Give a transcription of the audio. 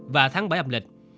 và tháng bảy âm lịch